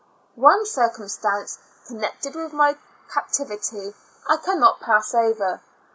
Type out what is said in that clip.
One circumstance connected with my captivity, I cannot pass over.